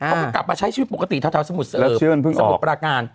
เขาก็กลับมาใช้ชีวิตปกติเท่าเท่าสมุดแล้วชื่อมันเพิ่งออกสมุดประการ